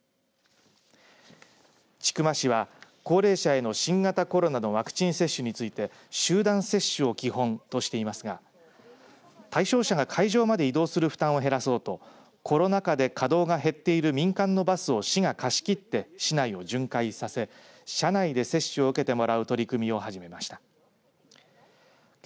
千曲市は高齢者の新型コロナのワクチン接種について集団接種を基本としていますが対象者が会場まで移動する負担を減らそうとコロナ禍で稼働が減っている民間のバスを市が貸し切って市内を巡回させ車内で接種を受けてもらう取り組みを始めました。